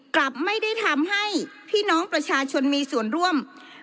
กลับไม่ได้ทำให้พี่น้องประชาชนมีส่วนร่วม